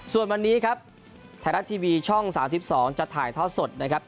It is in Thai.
ส่วนวันนี้ครับไทยรัฐทีวีช่อง๓๒จะถ่ายทอดสดนะครับ